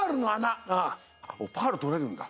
オパール採れるんだ。